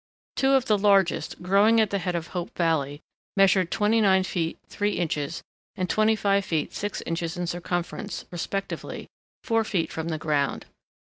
Two of the largest, growing at the head of Hope Valley, measured twenty nine feet three inches and twenty five feet six inches in circumference, respectively, four feet from the ground.